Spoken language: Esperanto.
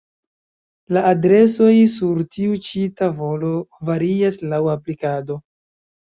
La adresoj sur tiu ĉi tavolo varias laŭ aplikado.